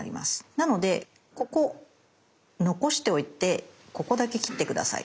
なのでここ残しておいてここだけ切って下さい。